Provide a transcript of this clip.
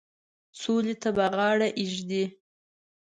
سولي ته به غاړه ایږدي.